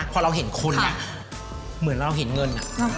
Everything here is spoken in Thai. พอเราเห็นคนเหมือนเราเห็นเงิน